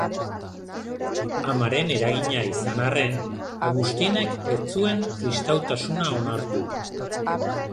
Amaren eragina izan arren, Agustinek ez zuen kristautasuna onartu.